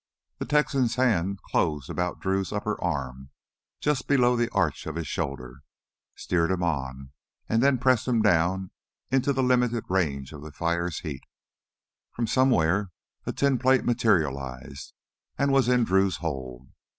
The Texan's hands closed about Drew's upper arms just below the arch of his shoulders, steered him on, and then pressed him down into the limited range of the fire's heat. From somewhere a tin plate materialized, and was in Drew's hold.